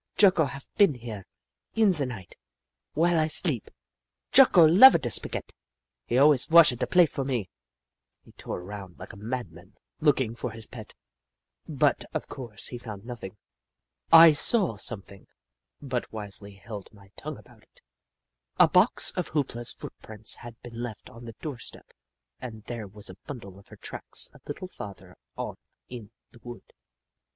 Jocko haf been here in ze night w'ile I sleep ! Jocko lova da spaghett ! He always washa da plate for me !" He tore around like a madman, looking for 1 64 The Book of Clever Beasts his pet, but of course he found nothing. I saw something, but wisely held my tongue about it. A box of Hoop La's footprints had been left on the doorstep and there was a bundle of her tracks a little farther on in the wood.